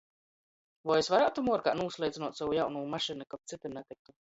Voi es varātu muorkā nūsleicynuot sovu jaunū mašynu, kab cytim natyktu?